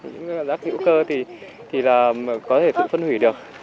những rác hữu cơ thì là có thể tự phân hủy được